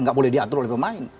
nggak boleh diatur oleh pemain